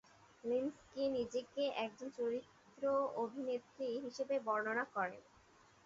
Lynskey নিজেকে একজন চরিত্র অভিনেত্রী হিসেবে বর্ণনা করেন।